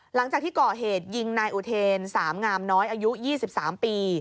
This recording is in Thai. หลังจากที่ก่อเหตุยิงนายอุเทนสามงามน้อยอายุ๒๓ปี